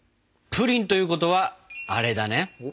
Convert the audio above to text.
プリンということはアレだね！